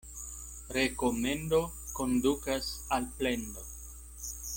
Rekomendo kondukas al plendo.